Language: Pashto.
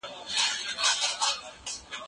د پښتو ادب ځلانده ستوري زموږ د لارې رڼا ده.